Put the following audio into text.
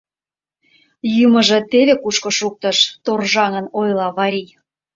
— Йӱмыжӧ теве кушко шуктыш, — торжаҥын ойла Варий.